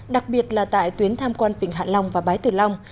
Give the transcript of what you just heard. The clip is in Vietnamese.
đặc biệt là tại tuyến tham quan vịnh hạ long và bái tử long